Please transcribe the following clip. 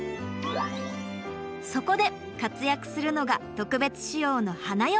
そこで活躍するのが特別仕様の花嫁タクシー。